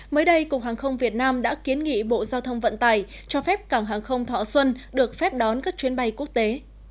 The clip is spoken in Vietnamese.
mới đây cục hàng không việt nam đã kiến nghị bộ giao thông vận tải cho phép cảng hàng không thọ xuân được phép đón các chuyến bay quốc tế